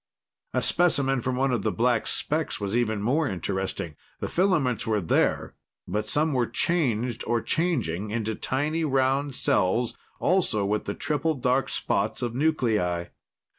A specimen from one of the black specks was even more interesting. The filaments were there, but some were changed or changing into tiny, round cells, also with the triple dark spots of nuclei.